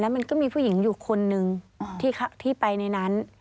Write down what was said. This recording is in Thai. มันก็มีผู้หญิงอยู่คนนึงที่ไปในนั้น